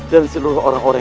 dan seluruh orang orang